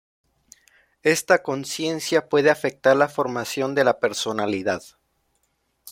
Esta conciencia puede afectar la formación de la personalidad.